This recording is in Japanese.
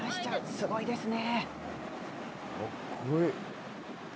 すごいですね。